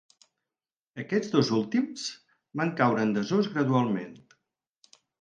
Aquests dos últims van caure en desús gradualment.